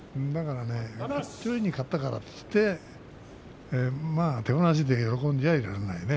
上位に勝ったからといって手放しで喜んじゃいられないね。